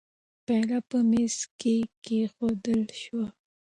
پیاله په مېز کې کېښودل شوه.